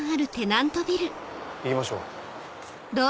行きましょう。